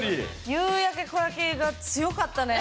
「夕焼け小焼け」が強かったね。